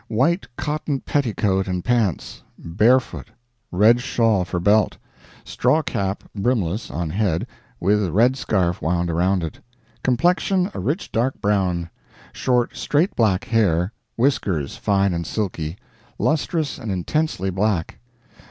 White cotton petticoat and pants; barefoot; red shawl for belt; straw cap, brimless, on head, with red scarf wound around it; complexion a rich dark brown; short straight black hair; whiskers fine and silky; lustrous and intensely black.